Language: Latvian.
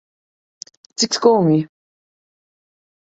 Cik skumji.